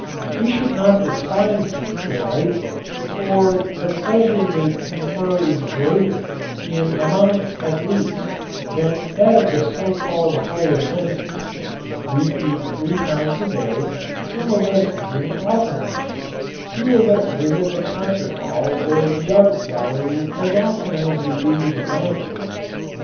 We should not despise these delights, for the pleasure they confer is greater, in amount at least, than that of the so called higher senses. We eat three times a day; some of us drink oftener; few of us visit the concert hall or the art gallery as often as we do the dining room.